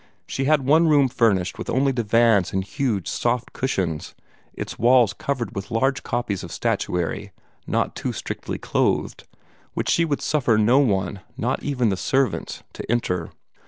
She had one room furnished with only divans and huge, soft cushions, its walls covered with large copies of statuary not too strictly clothed, which she would suffer no one, not even the servants, to enter.